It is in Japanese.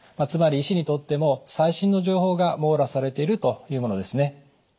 つまり医師にとっても最新の情報が網羅されているというものですね。